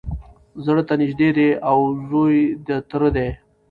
زړه ته نیژدې دی او زوی د تره دی